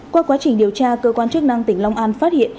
qua quá trình điều tra cơ quan chức năng tỉnh long an phát hiện